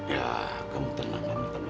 ya kamu tenang